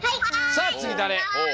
さあつぎだれ？